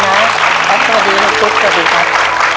สวัสดีน้องฟุ๊กสวัสดีครับ